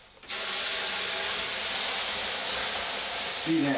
・いいね。